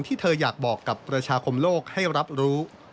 ที่เธออยากบอกกับประชาคมโลกให้รับรู้